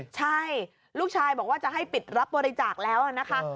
ใช่ลูกชายบอกว่าจะให้ปิดรับบริจาคแล้วนะคะ